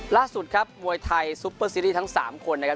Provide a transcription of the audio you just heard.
ล่าสุดครับมวยไทยซุปเปอร์ซีรีส์ทั้ง๓คนนะครับ